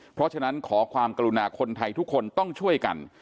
เพราะฉะนั้นขอความกรุณาคนไทยทุกคนต้องช่วยกัน